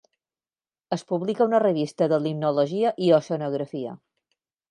Es publica una revista de limnologia i oceanografia.